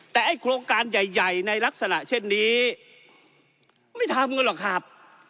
แต่ไอ้โครงการใหญ่ในลักษณะเช่นนี้ไม่ทำกันหรอกครับ